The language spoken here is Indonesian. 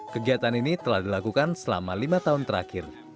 kegiatan ini telah dilakukan selama lima tahun terakhir